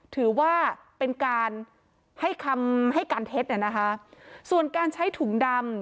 ถือว่าเป็นการให้คำให้การเท็จน่ะนะคะส่วนการใช้ถุงดำ